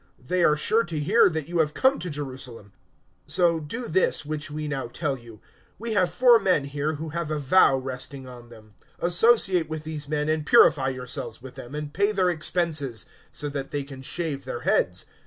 They are sure to hear that you have come to Jerusalem; 021:023 so do this which we now tell you. We have four men here who have a vow resting on them. 021:024 Associate with these men and purify yourself with them, and pay their expenses so that they can shave their heads.